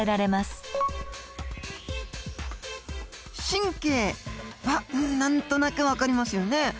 神経は何となくわかりますよね。